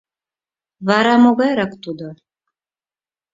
Вара могайрак тудо?